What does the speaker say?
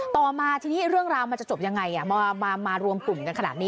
ต่อมาทีนี้เรื่องราวมันจะจบยังไงมารวมกลุ่มกันขนาดนี้